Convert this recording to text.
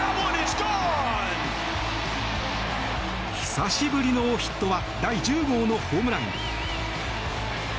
久しぶりのヒットは第１０号のホームラン。